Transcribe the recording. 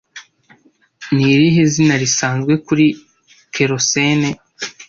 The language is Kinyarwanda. Ni irihe zina risanzwe kuri Kerosene